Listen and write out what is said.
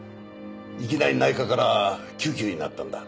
いきなり内科から救急医になったんだ。